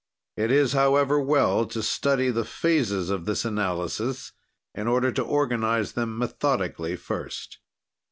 "It is, however, well to study the phases of this analysis, in order to organize them methodically first.